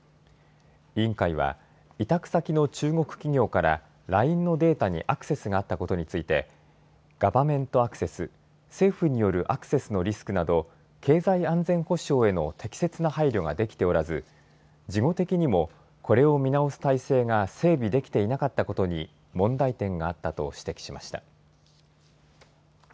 委員会は委託先の中国企業からＬＩＮＥのデータにアクセスがあったことについてガバメントアクセス・政府によるアクセスのリスクなど経済安全保障への適切な配慮ができておらず事後的もこれを見直す体制が整備できていなかったことに問題点があったと指摘しました。